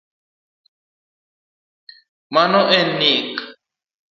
Mano en nik